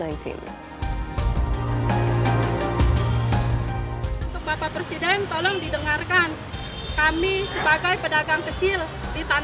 untuk bapak presiden tolong didengarkan kami sebagai pedagang kecil di tanah